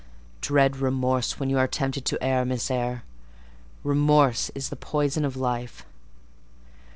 Dread remorse when you are tempted to err, Miss Eyre; remorse is the poison of life."